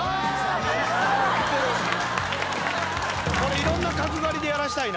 いろんな角刈りでやらせたいな。